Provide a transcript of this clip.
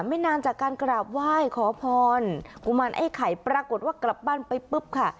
ไม่นานจากการกราบไหว้ขอพรกุมารไอ้ไข่ปรากฏว่ากลับบ้านไปปุ๊บค่ะ